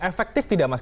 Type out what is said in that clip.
efektif tidak mas